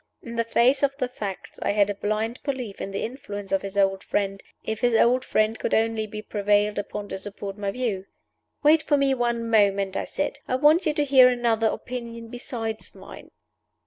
In the face of the facts I had a blind belief in the influence of his old friend, if his old friend could only be prevailed upon to support my view. "Wait for me one moment," I said. "I want you to hear another opinion besides mine."